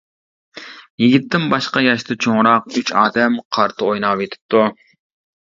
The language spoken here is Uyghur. يىگىتتىن باشقا ياشتا چوڭراق ئۈچ ئادەم قارتا ئويناۋېتىپتۇ.